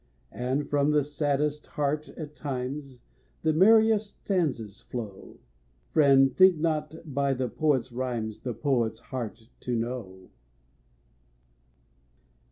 And from the saddest heart, at times, The merriest stanzas flow. Friend, think not by the poet's rhymes The poet's heart to know.